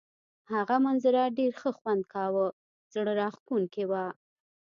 هغه منظره ډېر ښه خوند کاوه، زړه راښکونکې وه.